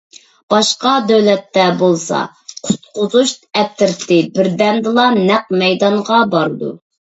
باشقا دۆلەتتە بولسا قۇتقۇزۇش ئەترىتى بىردەمدىلا نەق مەيدانغا بارىدۇ.